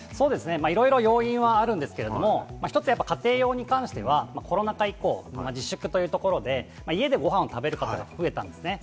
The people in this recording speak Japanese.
いろいろ要因はあるんですけど、一つは家庭用に関してはコロナ禍以降、自粛というところで家でご飯を食べる方が増えました。